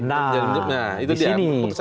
nah itu dia